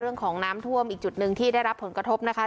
เรื่องของน้ำท่วมอีกจุดหนึ่งที่ได้รับผลกระทบนะคะ